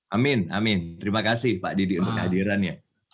amin amin terima kasih pak didik untuk hadirannya